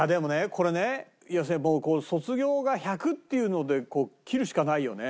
これね要するに『卒業』が１００っていうので切るしかないよね。